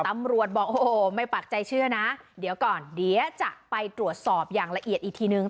ตำรวจบอกโอ้โหไม่ปากใจเชื่อนะเดี๋ยวก่อนเดี๋ยวจะไปตรวจสอบอย่างละเอียดอีกทีนึง